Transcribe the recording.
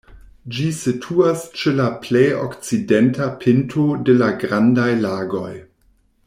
Ĝi situas ĉe la plej okcidenta pinto de la Grandaj Lagoj.